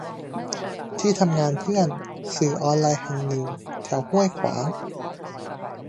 ที่ทำงานเพื่อน สื่อออนไลน์แห่งหนึ่ง แถวห้วยขวาง